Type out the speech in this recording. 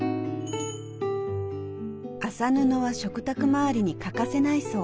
麻布は食卓周りに欠かせないそう。